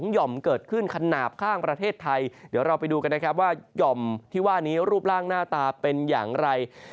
ห่อมเกิดขึ้นขนาดข้างประเทศไทยเดี๋ยวเราไปดูกันนะครับว่าหย่อมที่ว่านี้รูปร่างหน้าตาเป็นอย่างไร